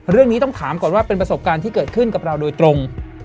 เรื่องนี้ต้องถามก่อนว่าเป็นประสบการณ์ที่เกิดขึ้นกับเราโดยตรง